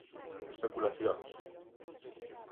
Especulacións.